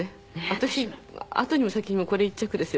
私後にも先にもこれ１着ですよ。